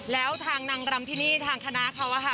แล้วทางนางรำที่นี่ทางคณะเขาอะค่ะ